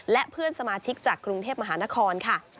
และเพื่อนสมาชิกจากกรุงเทพมหานครค่ะ